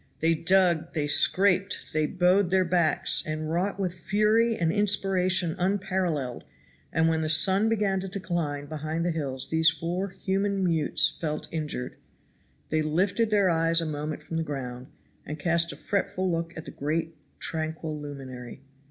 They dug, they scraped, they bowed their backs, and wrought with fury and inspiration unparalleled; and when the sun began to decline behind the hills these four human mutes felt injured. They lifted their eyes a moment from the ground, and cast a fretful look at the great, tranquil luminary.